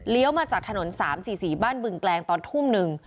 มาจากถนน๓๔๔บ้านบึงแกลงตอนทุ่มหนึ่ง